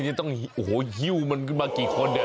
นี่ต้องโอ้โหหิ้วมันขึ้นมากี่คนเนี่ย